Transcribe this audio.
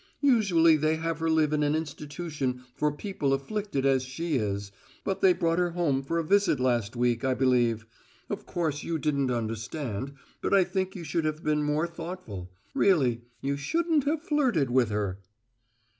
"Usually they have her live in an institution for people afflicted as she is, but they brought her home for a visit last week, I believe. Of course you didn't understand, but I think you should have been more thoughtful. Really, you shouldn't have flirted with her."